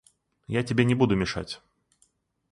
Я тебе не буду мешать.